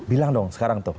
bilang dong sekarang tuh